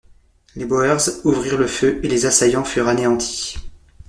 Les Boers ouvrirent le feu et les assaillants furent anéantis.